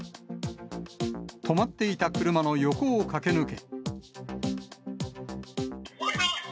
止まっていた車の横を駆け抜け。